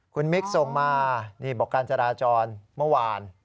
คุณมิกส่งมานี่บอกการจราจรเมื่อวาน